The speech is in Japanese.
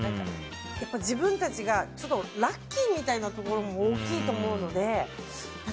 やっぱり自分たちは、ちょっとラッキーみたいなところも大きいと思うので。